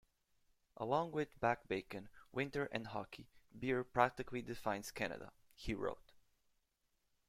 "Along with back bacon, winter and hockey, beer practically defines Canada," he wrote.